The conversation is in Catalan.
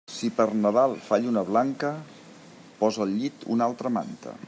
Si per Nadal fa lluna blanca, posa al llit una altra manta.